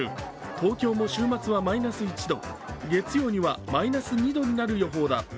東京も週末はマイナス１度、月曜日にはマイナス２度になる予報だ。